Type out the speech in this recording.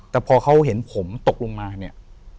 แต่พอเขาเห็นผมตกลงมาเนี่ย